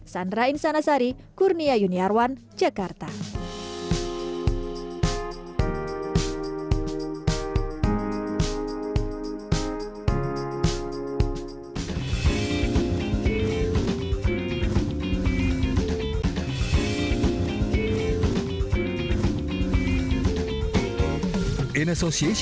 sandra insanasari kurnia yuniarwan jakarta